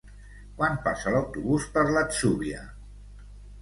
Quan passa l'autobús per l'Atzúbia?